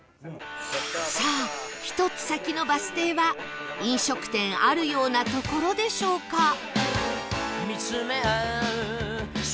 さあ１つ先のバス停は飲食店あるような所でしょうか？